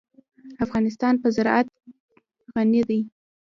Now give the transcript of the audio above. افغانستان په زراعت غني دی.